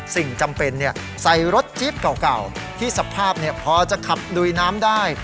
สิ่งจำเป็นใส่รถจี๊บเก่าที่สภาพพอจะขับลุยน้ำได้